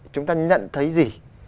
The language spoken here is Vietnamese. chúng ta nhận thấy gì